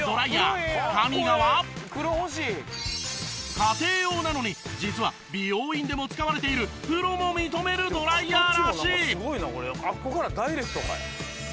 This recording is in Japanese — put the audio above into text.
家庭用なのに実は美容院でも使われているプロも認めるドライヤーらしい。